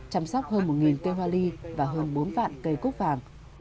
chăm sóc hơn một cây hoa ly và hơn bốn vạn cây cúc vàng